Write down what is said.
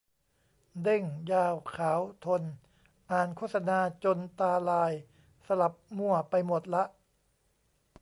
เด้ง ยาว ขาว ทน อ่านโฆษณาจนตาลาย สลับมั่วไปหมดละ